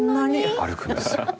歩くんですよ。